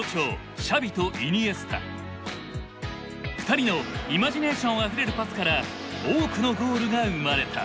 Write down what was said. ２人のイマジネーションあふれるパスから多くのゴールが生まれた。